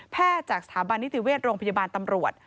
จากสถาบันนิติเวชโรงพยาบาลตำรวจ